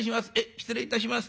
失礼いたします。